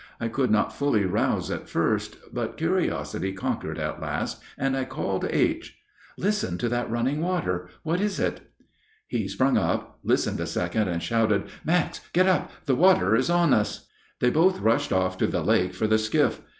I could not fully rouse at first, but curiosity conquered at last, and I called H. "Listen to that running water. What is it?" He sprung up, listened a second, and shouted: "Max, get up! The water is on us!" They both rushed off to the lake for the skiff.